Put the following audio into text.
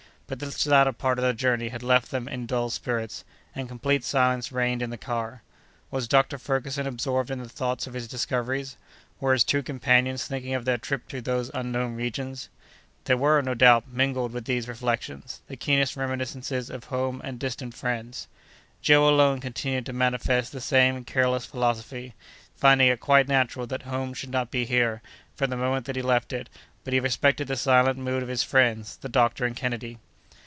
But this latter part of the journey had left them in dull spirits, and complete silence reigned in the car. Was Dr. Ferguson absorbed in the thought of his discoveries? Were his two companions thinking of their trip through those unknown regions? There were, no doubt, mingled with these reflections, the keenest reminiscences of home and distant friends. Joe alone continued to manifest the same careless philosophy, finding it quite natural that home should not be there, from the moment that he left it; but he respected the silent mood of his friends, the doctor and Kennedy.